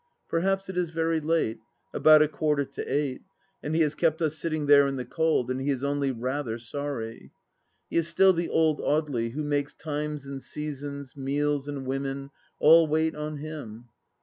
Perhaps it is very late — about a quarter to eight — and he has kept us sitting there in the cold, and he is only rather sorry. He is still the old Audely who makes times and seasons, meals and women, all wait on him.